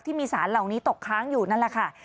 ที่มีสารเหล่านี้ตกค้างอยู่นั่นแหละค่ะ